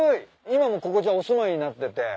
今もここじゃあお住まいになってて。